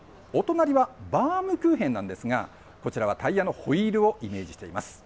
お隣は、バウムクーヘンなんですが、こちらはタイヤのホイールをイメージしています。